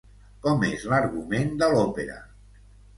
Com és l'argument de l'òpera?